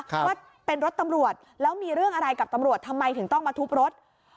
ว่าเป็นรถตำรวจแล้วมีเรื่องอะไรกับตำรวจทำไมถึงต้องมาทุบรถ